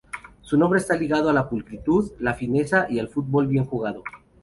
Su nombre está ligado a la pulcritud, la fineza y al fútbol bien jugado.